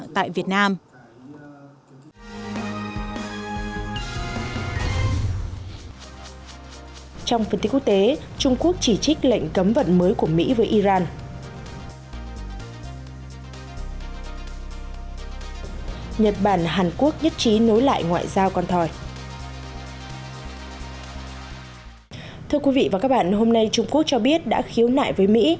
thưa quý vị và các bạn hôm nay trung quốc cho biết đã khiếu nại với mỹ